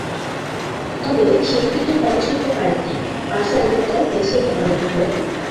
তবে সেটি পিকের গায়ে ছুড়তে পারেননি, বার্সা ডিফেন্ডার বেঞ্চ থেকে নড়েননি বলে।